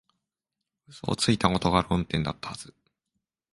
嘘をついたことが論点だったはず